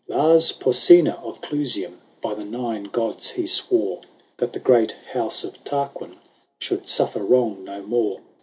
Lars Porsena of Clusium By the Nine Gods he swore That the great house of Tarquin Should suffer wrong no more.